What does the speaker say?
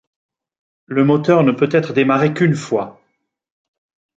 Le moteur ne peut être démarré qu'une fois.